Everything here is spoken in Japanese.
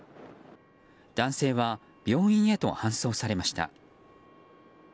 男性は病院へと搬送されました。